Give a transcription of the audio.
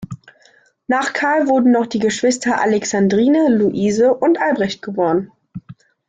Nach Carl wurden noch die Geschwister Alexandrine, Luise und Albrecht geboren.